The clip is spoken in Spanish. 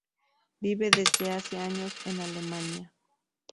Vive desde hace años en Alemania.